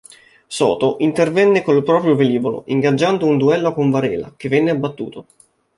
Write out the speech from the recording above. Soto intervenne col proprio velivolo, ingaggiando un duello con Varela, che venne abbattuto.